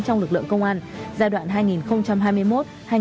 trong lực lượng công an